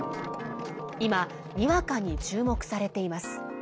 今、にわかに注目されています。